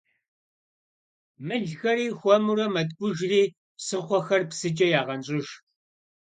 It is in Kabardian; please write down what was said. Мылхэри хуэмурэ мэткӀужри псыхъуэхэр псыкӀэ ягъэнщӀыж.